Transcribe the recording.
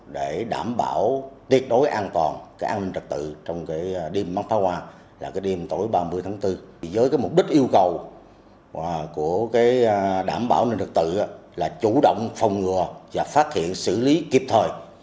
đảm bảo nền trực tự là chủ động phòng ngừa và phát hiện xử lý kịp thời